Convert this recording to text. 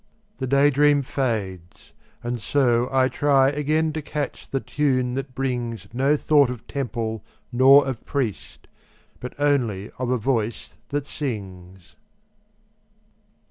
The day dream fades and so I try Again to catch the tune that brings No thought of temple nor of priest, But only of a voice that sings.